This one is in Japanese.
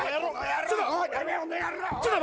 ちょっと。